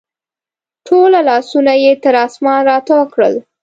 ټوله لاسونه یې تر اسمان راتاو کړل